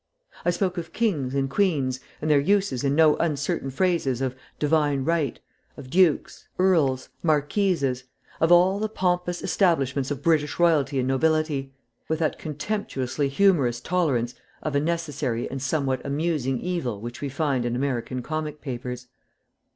I spoke of kings and queens and their uses in no uncertain phrases, of divine right, of dukes, earls, marquises of all the pompous establishments of British royalty and nobility with that contemptuously humorous tolerance of a necessary and somewhat amusing evil which we find in American comic papers.